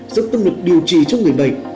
giúp tâm lực điều trị cho người bệnh